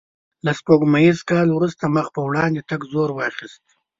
له سپوږمیز کال وروسته مخ په وړاندې تګ زور واخیست.